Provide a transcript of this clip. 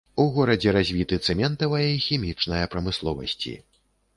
У горадзе развіты цэментавая і хімічная прамысловасці.